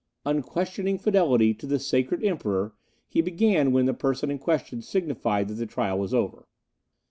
'Unquestioning Fidelity to the Sacred Emperor ' he began, when the person in question signified that the trial was over.